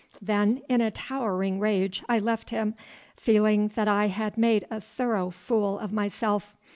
Then, in a towering rage, I left him, feeling that I had made a thorough fool of myself.